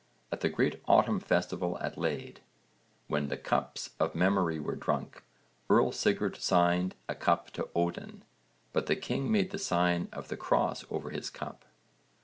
At the great autumn festival at Lade when the cups of memory were drunk, Earl Sigurd signed a cup to Odin, but the king made the sign of the cross over his cup.